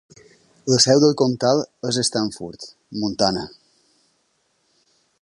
La seu del comtal és Stanford, Montana.